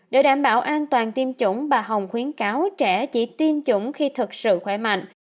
để đảm bảo an toàn tiêm chủng bà hồng khuyến cáo trẻ chỉ tiêm chủng khi thật sự khỏe mạnh